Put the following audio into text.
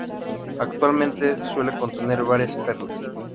Actualmente suele contener varias perlas.